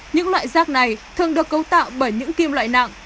những loại rác này thường được cấu tạo bởi những kim loại nặng